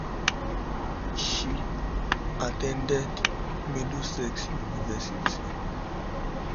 She attended Middlesex University.